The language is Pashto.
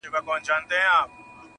اوس د زمریو له برېتونو سره لوبي کوي-